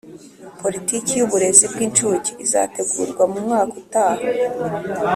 politiki y'uburezi bw'incuke izategurwa mu mwaka utaha,